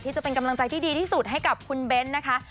จะเป็นกำลังใจที่ดีที่สุดให้กับคุณเบ้นนะคะ